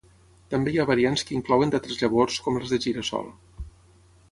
També hi ha variants que inclouen d'altres llavors com les de gira-sol.